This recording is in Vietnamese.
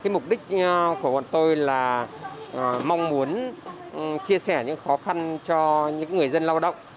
mục đích của bọn tôi là mong muốn chia sẻ những khó khăn cho những người dân lao động